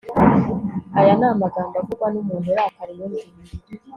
aya ni amagambo avugwa n'umuntu urakariye undi